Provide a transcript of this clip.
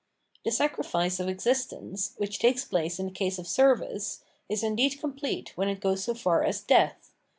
The sacrifice of existence, which takes place in the case of service, is indeed complete when it goes so far as death.